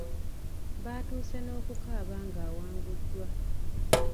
Baatuuse n’okukaaba ng’awanguddwa.